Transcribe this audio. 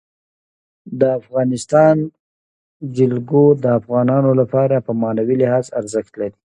د افغانستان جلکو د افغانانو لپاره په معنوي لحاظ ارزښت لري.